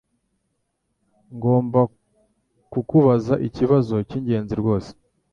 Ngomba kukubaza ikibazo cyingenzi rwose.